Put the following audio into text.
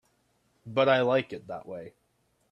But I like it that way.